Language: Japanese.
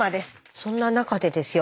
そんな中でですよ